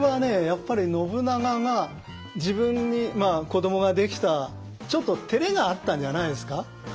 やっぱり信長が自分に子どもができたちょっとてれがあったんじゃないですか？